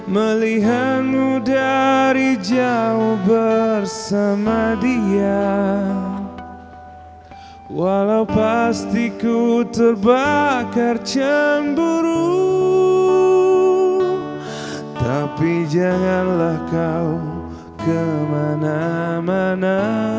melihatmu dari jauh bersama dia walau pasti ku terbakar cemburu tapi janganlah kau kemana mana